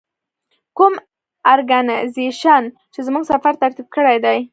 کوم ارګنایزیشن چې زموږ سفر ترتیب کړی دی.